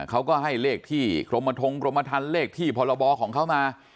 เขาก็ให้เลขที่กรมทงกรมทันเลขที่พรบของเขามา